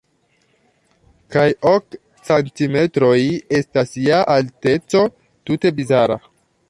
Kaj ok centimetroj estas ja alteco tute bizara.